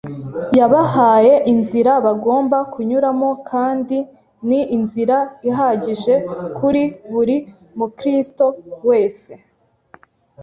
Yabahaye inzira bagomba kunyuramo, kandi ni inzira ihagije kuri buri Mukristo wese.